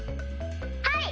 はい！